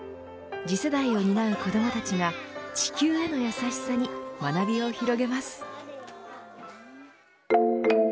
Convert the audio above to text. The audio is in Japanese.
次世代を担う子どもたちが地球への優しさに学びを広げます。